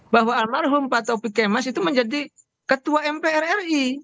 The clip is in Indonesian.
bahwa almarhum pak topik kemas itu menjadi ketua mprri